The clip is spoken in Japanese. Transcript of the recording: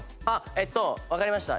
えっとわかりました。